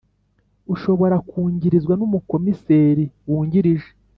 ushobora kungirizwa n Umukomiseri Wungirije